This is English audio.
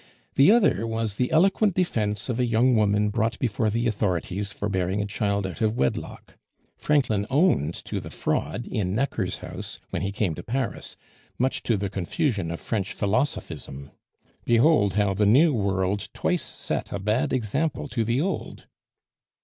The other was the eloquent defence of a young woman brought before the authorities for bearing a child out of wedlock. Franklin owned to the fraud in Necker's house when he came to Paris, much to the confusion of French philosophism. Behold how the New World twice set a bad example to the Old!"